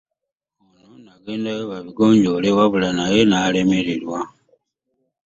Ono n'agendayo babigonjoole wabula naye n'alemererwa